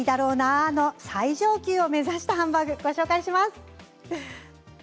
あの最上級を目指したハンバーグをご紹介します。